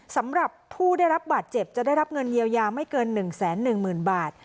สำหรับผู้ได้รับบาดเจ็บจะได้รับเงินเยียวยาไม่เกิน๑๑๐๐๐บาท